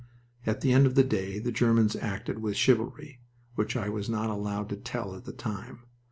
At the end of the day the Germans acted with chivalry, which I was not allowed to tell at the time.